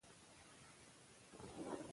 که ژبه وساتو، کلتور ژوندي پاتې کېږي.